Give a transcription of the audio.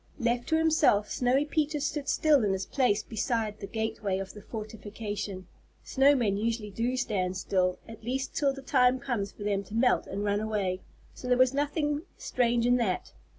Left to himself, Snowy Peter stood still in his place beside the gateway of the fortification. Snowmen usually do stand still, at least till the time comes for them to melt and run away, so there was nothing strange in that.